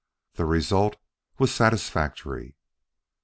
The result was satisfactory.